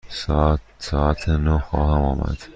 ساعت نه خواهیم آمد.